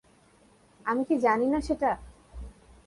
আমি কি জানি না সেটা?